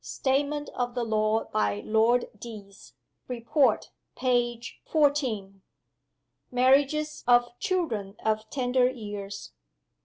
_ Statement of the law by Lord Deas. Report, page XVI. Marriages of children of tender years.